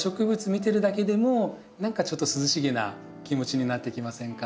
見てるだけでも何かちょっと涼しげな気持ちになってきませんか？